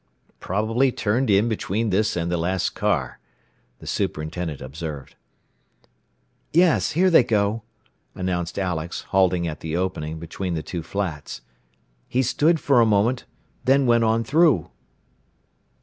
"Probably turned in between this and the last car," the superintendent observed. "Yes; here they go," announced Alex, halting at the opening between the two flats. "He stood for a moment, then went on through."